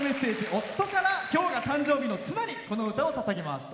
夫から今日が誕生日の妻にこの歌をささげます。